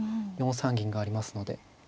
４三銀がありますので。